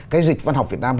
cái dịch văn học việt nam